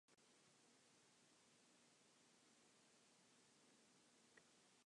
George Griswold Frelinghuysen was the son of Frederick Theodore Frelinghuysen and Matilda Elizabeth Griswold.